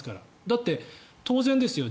だって当然ですよ。